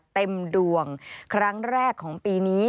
เต็มดวงครั้งแรกของปีนี้